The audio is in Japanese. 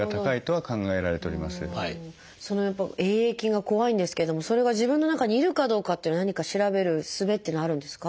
Ａ．ａ．菌が怖いんですけれどもそれが自分の中にいるかどうかっていうのを何か調べる術っていうのはあるんですか？